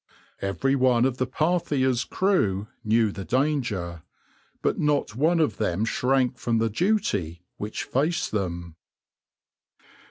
Everyone of the {\itshape{Parthia's}} crew knew the danger, but not one of them shrank from the duty which faced them.